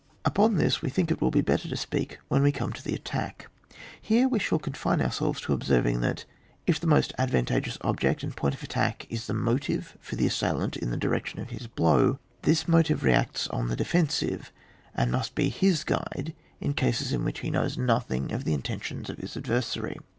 Upon this we think it will be better to speak when we come to the attack. Here we shall confine ourselves to observing that, if the most advan tageous object and point of attack is the motive for the assailant in the direction of his blow, this motive reacts on the defensive, and must be his guide in coses in which he knows nothing of the inten tions of his adversary.